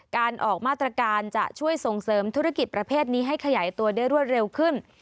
การออกมาตรการจะช่วยส่งเสริมธุรกิจประเภทนี้ให้ขยายตัวได้รวดเร็วขึ้น